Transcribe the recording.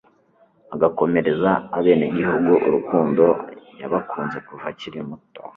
agakomereza abenegihugu urukundo yabakunze kuva akiri muto